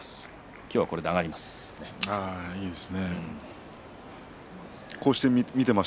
今日は、これで上がります。